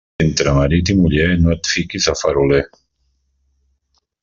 Entre marit i muller, no et fiques a faroler.